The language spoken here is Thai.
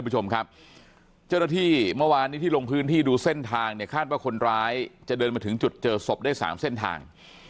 เจ้าหน้าที่เมื่อวานที่ลงพื้นที่ดูเส้นทางคาดว่าคนร้ายจะเดินมาถึงจุดเจอศพได้๓เส้นทาง